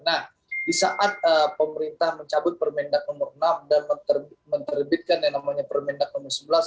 nah di saat pemerintah mencabut permendak nomor enam dan menerbitkan yang namanya permendak nomor sebelas